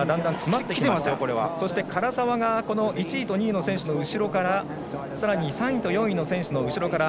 唐澤が１位と２位の選手の後ろからさらに３位と４位の選手の後ろから。